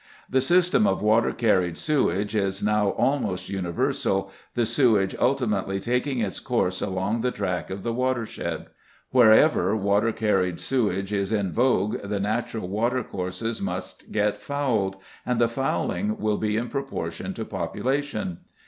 The system of water carried sewage is now almost universal, the sewage ultimately taking its course along the track of the watershed. Wherever water carried sewage is in vogue the natural watercourses must get fouled, and the fouling will be in proportion to population.